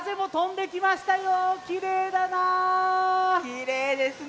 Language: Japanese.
きれいですね。